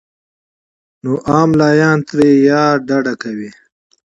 نو عام ملايان ترې يا ډډه کوي